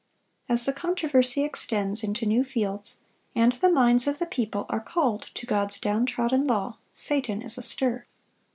As the controversy extends into new fields, and the minds of the people are called to God's down trodden law, Satan is astir.